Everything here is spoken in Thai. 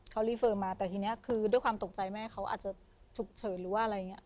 เขารีเฟิร์มมาแต่ทีนี้คือด้วยความตกใจแม่เขาอาจจะฉุกเฉินหรือว่าอะไรอย่างนี้